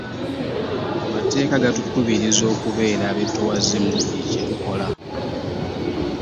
Amateeka gatukubiriza kubeera beetoowaze mu buli kye tukola.